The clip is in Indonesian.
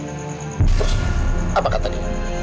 terus apa kata dia